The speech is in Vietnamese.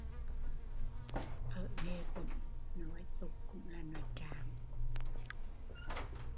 Ở Nghệ tĩnh, nói tục cũng là nói Trạng